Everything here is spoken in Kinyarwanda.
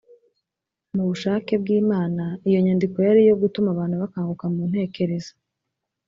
mu bushake bw’imana, iyo nyandiko yari iyo gutuma abantu bakanguka mu ntekerezo